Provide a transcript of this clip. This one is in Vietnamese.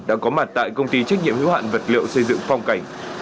đang có mặt tại công ty trách nhiệm hữu hạn vật liệu xây dựng phong cảnh